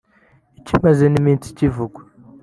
kimaze n’iminsi kivugwa